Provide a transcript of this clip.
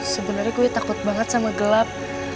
sebenarnya gue takut banget sama gelap